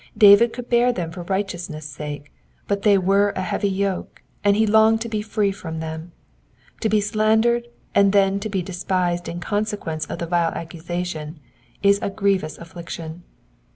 David could bear them for righteousness' sake, but they were a heavy yoke, and he longed to be free from them. To be slandered, and then to be despised in consequence of the vile accusation, is a grievous affliction.